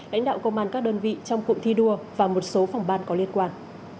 lãnh đạo công an các đơn vị trong cụm thi đua và một số phòng ban có liên quan